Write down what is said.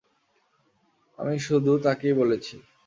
আমি শুধু তাকেই বলেছি।